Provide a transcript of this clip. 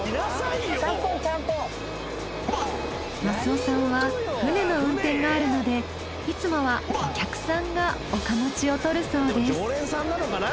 益男さんは船の運転があるのでいつもはお客さんがオカモチを取るそうです。